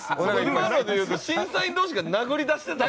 今ので言うと審査員同士が殴りだしてたもんな。